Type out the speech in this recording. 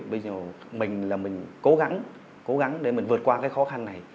bây giờ mình là mình cố gắng cố gắng để mình vượt qua cái khó khăn này